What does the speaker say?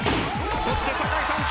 そして酒井さん２つ。